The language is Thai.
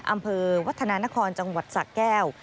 อำเภอวัฒนานครจังหวัดสะแก้ว